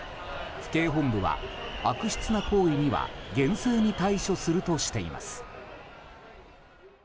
府警本部は悪質な行為には厳正に対処するとしています。